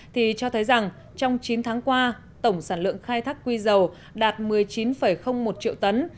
thì cho thấy rằng trong chín tháng qua tổng sản lượng khai thác quy dầu đạt một mươi chín một triệu tấn